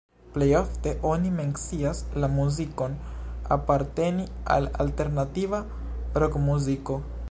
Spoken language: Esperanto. Plej ofte oni mencias la muzikon aparteni al alternativa rokmuziko.